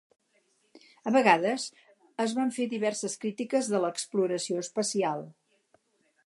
A vegades, es van fer diverses crítiques de l'exploració espacial.